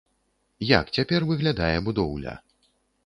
Як цяпер выглядае будоўля?